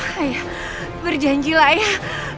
ayah berjanjilah ayah